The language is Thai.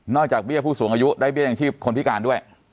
จากเบี้ยผู้สูงอายุได้เบี้ยอย่างชีพคนพิการด้วย